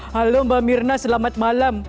halo mbak mirna selamat malam